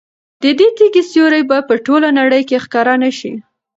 د دې تیږې سیوری به په ټوله نړۍ کې ښکاره نه شي.